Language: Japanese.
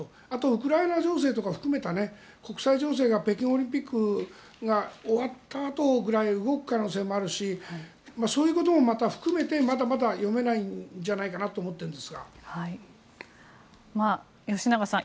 あと、ウクライナ情勢とか含めた国際情勢が北京オリンピックが終わったあとぐらいに動く可能性もあるしそういうこともまた含めてまだまだ読めないんじゃないかなと思ってるんですが。